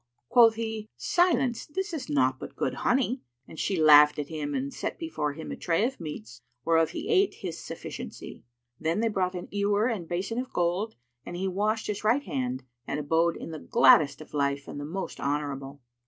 Quoth he, "Silence; this is naught but good honey;" and she laughed at him and set before him a tray of meats, whereof he ate his sufficiency. Then they brought an ewer and basin of gold, and he washed his right hand and abode in the gladdest of life and the most honourable.